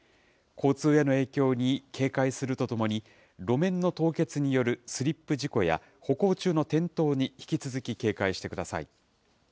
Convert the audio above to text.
交通への影響に警戒するとともに、路面の凍結によるスリップ事故や歩行中の転倒に、引き続き警戒してください。